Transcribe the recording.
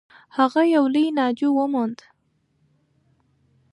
هغه یو لوی ناجو و موند.